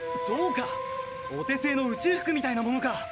そうかお手製の宇宙服みたいなものか。